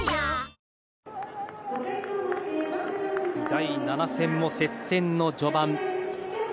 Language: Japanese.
第７戦も接戦の序盤。